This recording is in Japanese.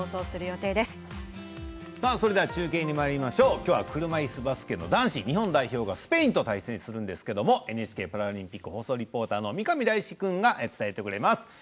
きょうは車いすバスケの男子日本代表がスペインと対戦するんですけれどもＮＨＫパラリンピック放送リポーターの三上大進君が伝えてくれます。